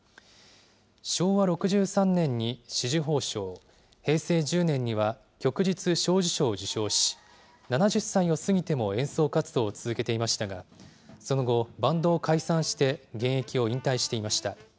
昭和６３年に紫綬褒章、平成１０年には旭日小綬章を受章し、７０歳を過ぎても演奏活動を続けていましたが、その後、バンドを解散して、現役を引退していました。